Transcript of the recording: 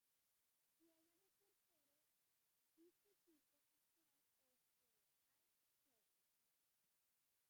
Juega de portero y su equipo actual es el Al-Shorta.